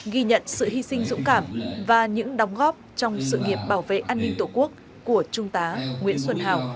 ghi nhận sự hy sinh dũng cảm và những đóng góp trong sự nghiệp bảo vệ an ninh tổ quốc của trung tá nguyễn xuân hào